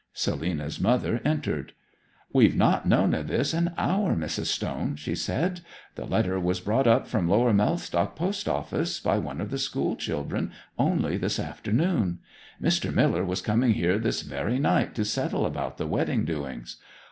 Selina's mother entered. 'We've not known of this an hour, Mrs. Stone,' she said. 'The letter was brought up from Lower Mellstock Post office by one of the school children, only this afternoon. Mr. Miller was coming here this very night to settle about the wedding doings.